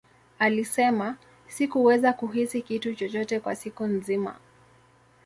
Alisema, Sikuweza kuhisi kitu chochote kwa siku nzima.